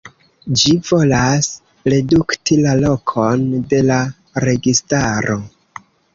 Ĝi volas redukti la lokon de la registaro.